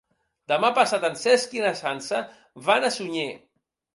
Demà passat en Cesc i na Sança van a Sunyer.